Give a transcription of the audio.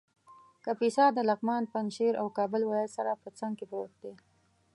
کاپیسا د لغمان ، پنجشېر او کابل ولایت سره په څنګ کې پروت دی